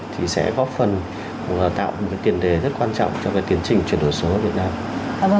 thì sẽ góp phần tạo một tiền đề rất quan trọng cho cái tiến trình chuyển đổi số ở việt nam